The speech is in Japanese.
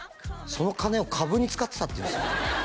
その金を株に使ってたっていうんですよ